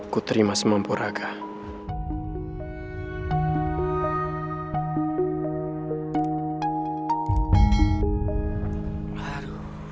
ku terima semampur agah